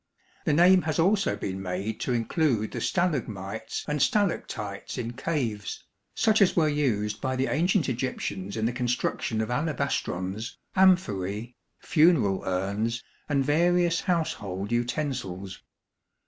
The name has also been made to include the stalagmites and stalactites in caves, such as were used by the ancient Egyptians in the construction of alabastrons, amphoræ, funeral urns, and various household utensils.